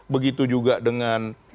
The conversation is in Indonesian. begitu juga dengan p tiga mengusulkan